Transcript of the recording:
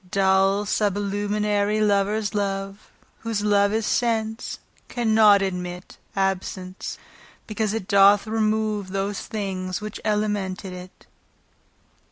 Dull sublunary lovers love (Whose soule is sense) cannot admit Absence, because it doth remove Those things which elemented it.